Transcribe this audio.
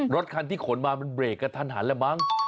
รถคันที่ขนมาเป็นเบรกกับท้านหันแหละบ้าง